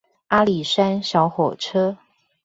阿里山小火車